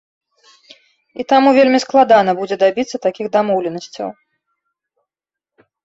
І таму вельмі складана будзе дабіцца такіх дамоўленасцяў.